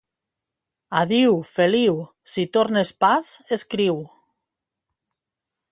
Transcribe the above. Adiu, Feliu! Si tornes pas, escriu!